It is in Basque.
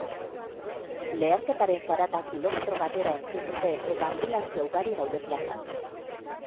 Leherketaren zarata kilometro batera entzun dute eta anbulantzia ugari daude plazan.